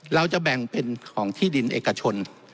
เราจะแบ่งเป็นของที่ดินเอกชน